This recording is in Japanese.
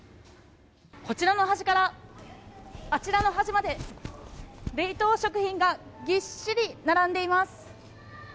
こちらの端からあちらの端まで冷凍食品がぎっしり並んでいます。